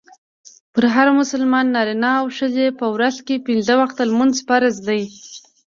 پر هر مسلمان نارينه او ښځي په ورځ کي پنځه وخته لمونځ فرض دئ.